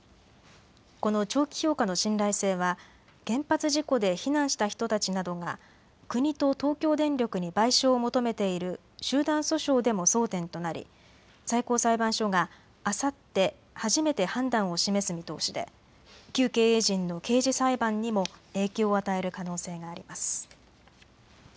この長期評価の信頼性は原発事故で避難した人たちなどが国と東京電力に賠償を求めている集団訴訟でも争点となり最高裁判所があさって初めて判断を示す見通しで旧経営陣の刑事裁判にも影響を与える可能性があります。